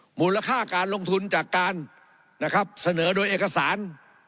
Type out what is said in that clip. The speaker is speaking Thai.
หมูลค่าการลงทุนจากการเสนอโดยเอกสาร